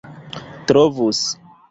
trovus